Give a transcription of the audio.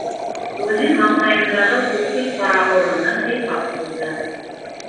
Үҙе маңлайындағы күкһел ҡара ороно һыйпап ҡуйҙы.